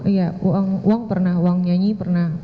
iya uang pernah uang nyanyi pernah